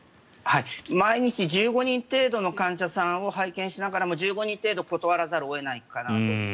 毎日１５人程度の患者さんを拝見しながらも１５人程度断わざるを得ないかなと。